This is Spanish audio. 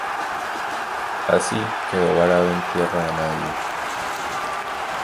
Así, quedó varado en tierra de nadie.